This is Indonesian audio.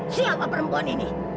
siapa perempuan ini